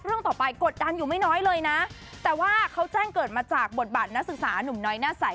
เรื่องต่อไปกดดันอยู่ไม่น้อยเลยนะแต่ว่าเขาแจ้งเกิดมาจากบทบาทนักศึกษานุ่มน้อยหน้าใส